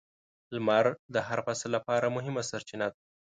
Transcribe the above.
• لمر د هر فصل لپاره مهمه سرچینه ده.